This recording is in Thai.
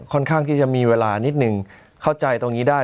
ค่อนข้างที่จะมีเวลานิดนึงเข้าใจตรงนี้ได้